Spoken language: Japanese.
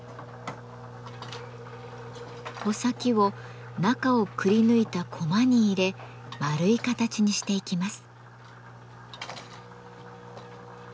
穂先を中をくりぬいたコマに入れ丸い形にしていきます。